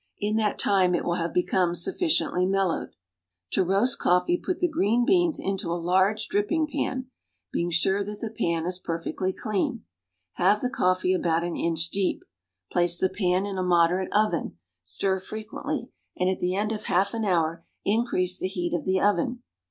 In that time it will have become sufficiently mellowed. To roast coffee, put the green beans into a large dripping pan, being sure that the pan is perfectly clean. Have the coffee about an inch deep. Place the pan in a moderate oven. Stir frequently, and at the end of half an hour increase the heat of the oven.